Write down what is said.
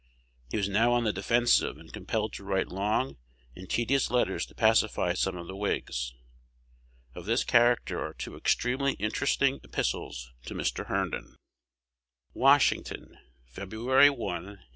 He was now on the defensive, and compelled to write long and tedious letters to pacify some of the Whigs. Of this character are two extremely interesting epistles to Mr. Herndon: Washington, Feb. 1, 1848.